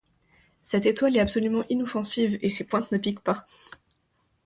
Cette étoile est absolument inoffensive, et ses pointes ne piquent pas.